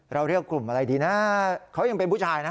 เราเรียกกลุ่มอะไรดีนะเขายังเป็นผู้ชายนะ